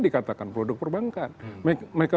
dikatakan produk perbankan mereka